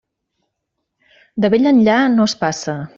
De vell enllà, no es passa.